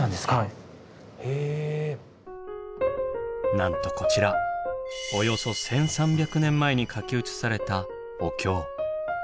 なんとこちらおよそ１，３００年前に書き写されたお経。